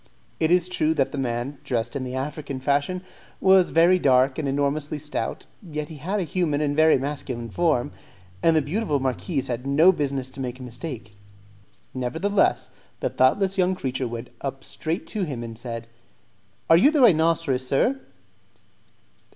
It is true that the man, dressed in the African fashion, was very dark and enormously stout, yet he had a human and very masculine form, and the beautiful marquise had no business to make a mistake. Nevertheless, the thoughtless young creature went up straight to him and said, "Are you the rhinoceros, sir?"